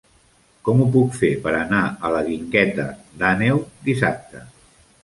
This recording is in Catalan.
Com ho puc fer per anar a la Guingueta d'Àneu dissabte?